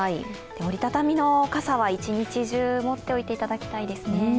折り畳みの傘は一日中、持っていていただきたいですね。